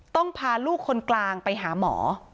พาลูกคนกลางไปหาหมอ